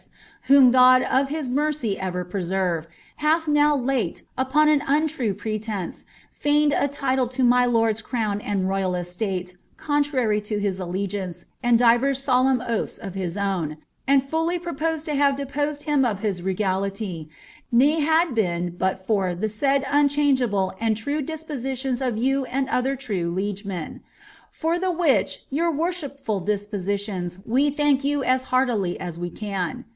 whom God of his mercy ever preserTe, hath now late, upon an VDtrue pretence, feigned a title to my lord's crown and royal estate (contrary to his aliegianoe, and divers solemn oaths of his own), and fully purposed to have depoaed him of his regality, ne had been (but for) the said unchangeable and true dispositions of you and other his true liegemen. For tlie which your wor shipful dispositions we thank you as heartily as we can.